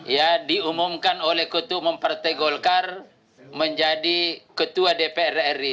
ya diumumkan oleh ketua umum partai golkar menjadi ketua dpr ri